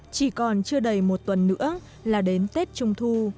chỉ còn chưa đầy một tuần nữa là đến tết trung thu